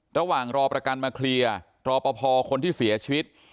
ระหว่างรอประกันมาเคลียร์รอประพอคนที่เสียชีวิต